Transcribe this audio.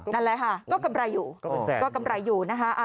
นั่นแหละค่ะก็กำไรอยู่ก็กำไรอยู่นะคะ